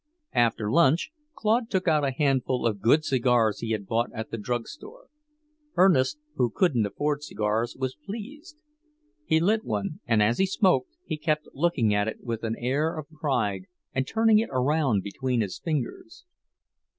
After lunch, Claude took out a handful of good cigars he had bought at the drugstore. Ernest, who couldn't afford cigars, was pleased. He lit one, and as he smoked he kept looking at it with an air of pride and turning it around between his fingers.